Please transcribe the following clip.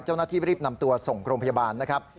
เจ้าหน้าที่รีบนำตัวส่งโรงพยาบาลนะครับ